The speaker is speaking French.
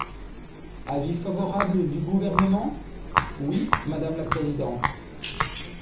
Avis favorable du Gouvernement ? Oui, madame la présidente.